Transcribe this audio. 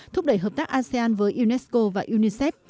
thúc đẩy hợp tác asean với unesco và unicef